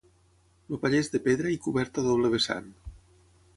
El paller és de pedra i coberta a doble vessant.